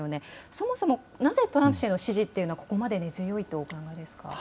そもそもなぜトランプ氏への支持はここまで根強いとお考えですか。